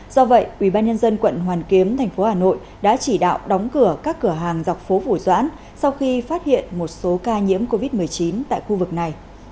do vậy ubnd quận hoàn kiếm thành phố hà nội đã chỉ đạo đóng cửa các cửa hàng dọc phố vũ doãn sau khi phát hiện một số ca nhiễm covid một mươi chín tại khu vực này